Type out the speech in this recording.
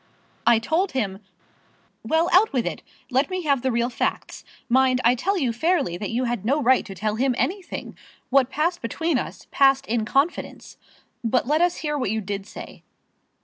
"I told him " "Well, out with it. Let me have the real facts. Mind, I tell you fairly that you had no right to tell him anything. What passed between us, passed in confidence. But let us hear what you did say."